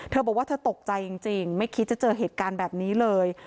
เธอบอกว่าเธอตกใจจริงไม่คิดจะเจอเหตุการณ์แบบนี้เลย